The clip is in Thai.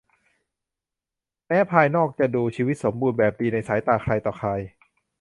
แม้ภายนอกจะดูชีวิตสมบูรณ์แบบดีในสายตาใครต่อใคร